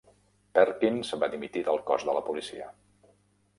Perkins va dimitir del cos de la policia.